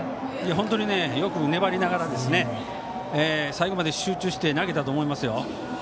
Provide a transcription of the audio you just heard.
本当に、よく粘りながら最後まで集中して投げたと思います。